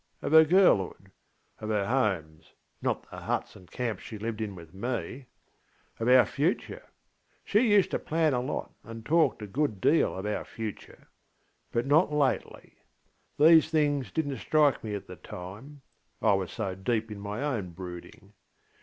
Of her girlhood. Of her homesŌĆönot the huts and camps she lived in with me. Of our future? ŌĆöshe used to plan a lot, and talk a good deal of our future ŌĆöbut not lately. These things didnŌĆÖt strike me at the timeŌĆöI was so deep in my own brooding.